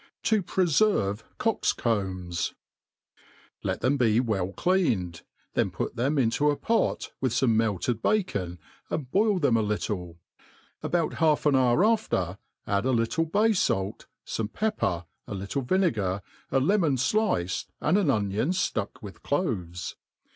TV ti* THE ART OF COOKERY To pnferve Cocks Combsm LET them be well cleaned, then put them into a pot, witJi fome melted bacon, and bdil them a little ; about half an hour after add a little bay fait, fome pepper, a little vinegar, a lemon fliced, and an onion ftuck with cloves.